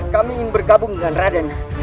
kami ingin bergabung dengan raden